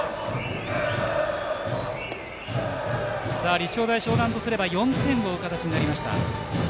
立正大淞南としては４点を追う形になりました。